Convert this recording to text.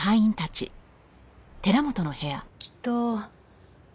きっと。